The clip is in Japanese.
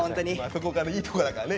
そこがいいとこだからね